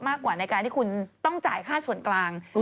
มากกว่าในการที่คุณต้องจ่ายค่าส่วนกลาง